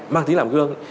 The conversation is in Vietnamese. mà tính làm gương